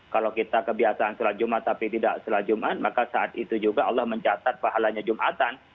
kalau kita kebiasaan sholat jumat tapi tidak sholat jumat maka saat itu juga allah mencatat pahalanya jumatan